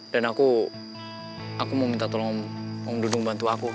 dan aku aku mau minta tolong om dudung bantu aku